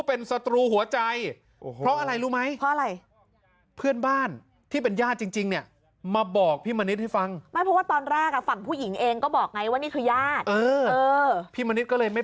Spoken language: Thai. เฮ้ยจริงหรือเปล่าเช็คดูจริงหรือเปล่า